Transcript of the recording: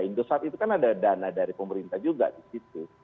indosat itu kan ada dana dari pemerintah juga di situ